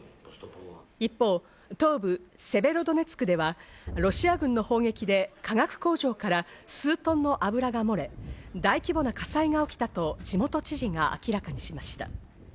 一方、東部セベロドネツクでは、ロシア軍の砲撃で化学工場から数トンの油が漏れ、大規模な火災が起きたなど、地元知事が明らかにしました。